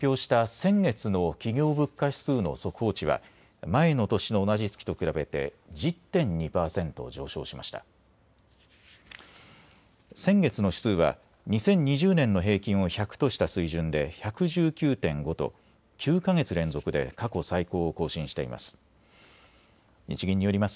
先月の指数は２０２０年の平均を１００とした水準で１１９．５と９か月連続で過去最高を更新しています。